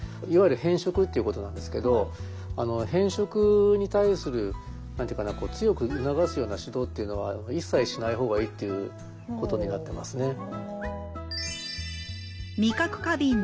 いわゆる偏食っていうことなんですけど偏食に対する何て言うかな強く促すような指導っていうのは一切しない方がいいっていうことになってますね。